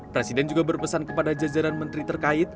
presiden juga berpesan kepada jajaran menteri terkait